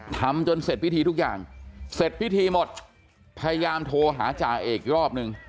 ทำจนเสร็จพิธีทุกอย่างเสร็จพิธีหมดพยายามโทรหาจ่าเอกอีกรอบนึง